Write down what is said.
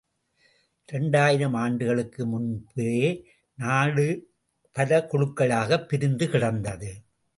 இரண்டாயிரம் ஆண்டுகளுக்கு முன்பே நாடு பல குழுக்களாகப் பிரிந்து கிடந்தது.